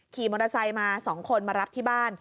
ขี่มอเตอร์ไซค์มา๒คนมารับที่บ้าน